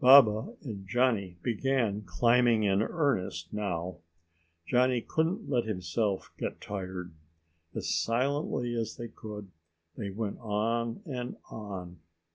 Baba and Johnny began climbing in earnest now. Johnny couldn't let himself get tired. As silently as they could, they went on and on.